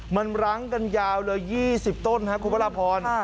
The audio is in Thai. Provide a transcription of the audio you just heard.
มันร้างกันยาว๒๐ต้นคุณพระราบพร